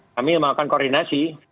kami melakukan koordinasi